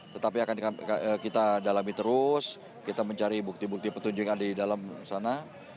tetapi akan kita dalami terus kita mencari bukti bukti petunjuk yang ada di dalam sana